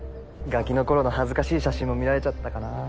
ガキの頃の恥ずかしい写真も見られちゃったかな。